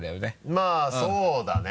まぁそうだね。